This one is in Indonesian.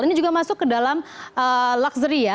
ini juga masuk ke dalam luxury ya